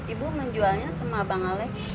ibu menjualnya sama bang alex